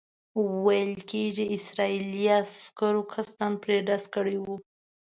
ویل کېږي اسرائیلي عسکرو قصداً پرې ډز کړی وو.